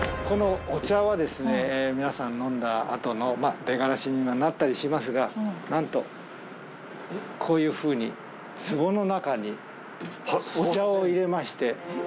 このお茶は、皆さん、飲んだあとの出がらしにはなったりしますが、なんと、こういうふうに、つぼの中にお茶を入れまして。